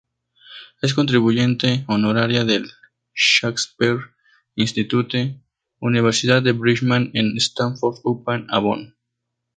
Es contribuyente honoraria del Shakespeare Institute, Universidad de Birmingham, en Stratford-upon-Avon.